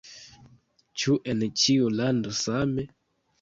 Ĉu en ĉiu lando same?